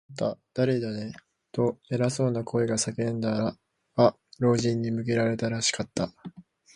「あんた、だれだね？」と、偉そうな声が叫んだが、老人に向けられたらしかった。